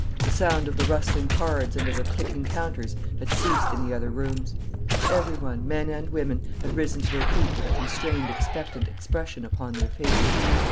The sound of the rustling cards and of the clicking counters had ceased in the other rooms. Everyone, men and women, had risen to their feet with a constrained expectant expression upon their faces.